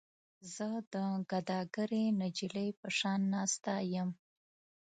زه د ګداګرې نجلۍ په شان ناسته یم.